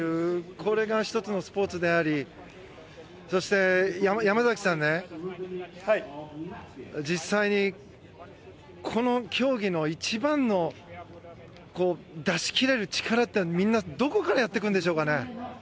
これが１つのスポーツでありそして山崎さんね実際に、この競技の一番の出し切れる力ってみんな、どこからやってくるんでしょうかね？